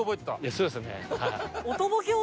そうですねはい。